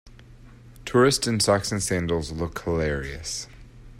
Tourists in socks and sandals look hilarious.